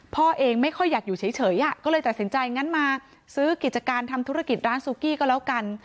พ่อเองไม่ค่อยอยากอยู่เฉยก็เลยตัดสินใจงั้นมาซื้อกิจการทำธุรกิจร้านซูกี้ก็แล้วกัน